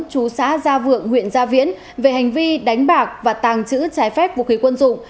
chú xã gia vượng huyện gia viễn về hành vi đánh bạc và tàng trữ trái phép vũ khí quân dụng